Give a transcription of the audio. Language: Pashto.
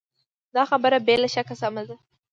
دا خبره بې له شکه سمه ده.